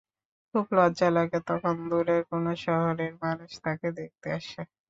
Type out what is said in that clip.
খুব লজ্জা লাগে যখন দূরের কোনো শহরের মানুষ তাঁকে দেখতে আসে।